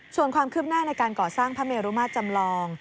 ส่วนความคืบหน้าในการก่อสร้างพระเมรุมาตรจำลอง